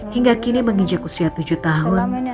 hingga kini menginjak usia tujuh tahun